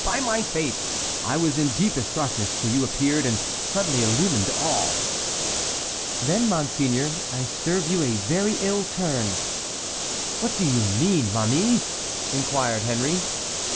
By my faith, I was in deepest darkness till you appeared and suddenly illumined all." "Then, monseigneur, I serve you a very ill turn." "What do you mean, ma mie?" inquired Henry.